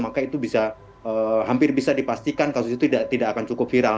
maka itu bisa hampir bisa dipastikan kasus itu tidak akan cukup viral